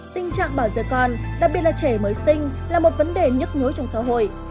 tình trạng bảo giờ con đặc biệt là trẻ mới sinh là một vấn đề nhức nhối trong xã hội